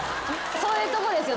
そういうとこですよ